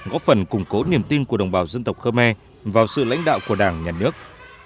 góp phần củng cố niềm tin của đồng bào dân tộc khơ me vào sự lãnh đạo của đảng nhà nước